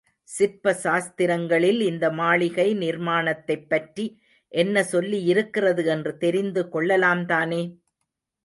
சிற்ப சாஸ்திரங்களில் இந்த மாளிகை நிர்மாணத்தைப் பற்றி என்ன சொல்லியிருக்கிறது என்று தெரிந்து கொள்ளலாம்தானே?